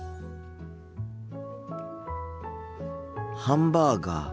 ハンバーガー。